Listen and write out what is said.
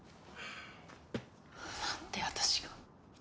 何で私が。